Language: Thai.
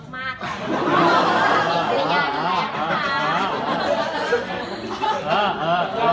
อ้าวอ้าวอ้าว